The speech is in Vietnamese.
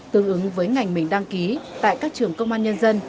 tương ứng với ngành mình đăng ký tại các trường công an nhân dân